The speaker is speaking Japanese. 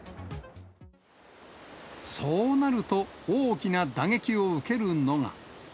そうなると、大きな打撃を受けるのが。